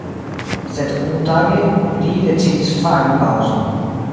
Sed unutage, ri decidis fari paŭzon.